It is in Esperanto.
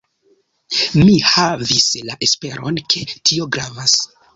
Mi havis la esperon, ke tio gravas.